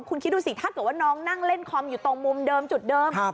คุณคิดดูสิถ้าเกิดว่าน้องนั่งเล่นคอมอยู่ตรงมุมเดิมจุดเดิม